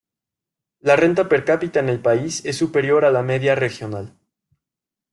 La renta per cápita en el país es superior a la media regional.